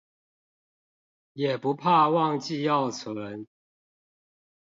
也不怕忘記要存